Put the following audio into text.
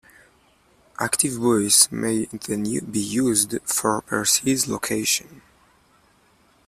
Active buoys may then be used for precise location.